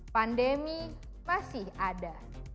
pandemi masih ada